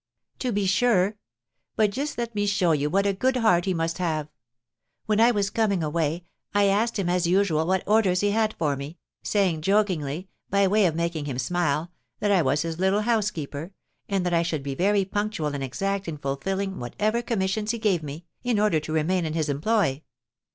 "To be sure. But just let me show you what a good heart he must have. When I was coming away, I asked him as usual what orders he had for me, saying jokingly, by way of making him smile, that I was his little housekeeper, and that I should be very punctual and exact in fulfilling whatever commissions he gave me, in order to remain in his employ.